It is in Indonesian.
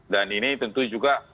dan ini tentu juga